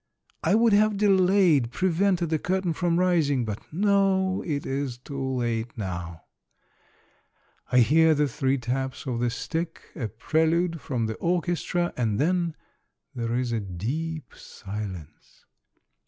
I would have 228 Monday Tales, delayed, prevented the curtain from rising, but no ! it is too late now. I hear the three taps of the stick, a prelude from the orchestra, and then there is a deep silence.